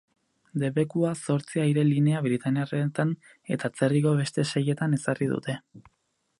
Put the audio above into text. Debekua zortzi aire-linea britainiarretan eta atzerriko beste seitan ezarri dute.